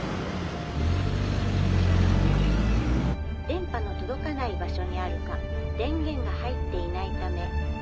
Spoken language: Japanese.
「電波の届かない場所にあるか電源が入っていないためかかりません」。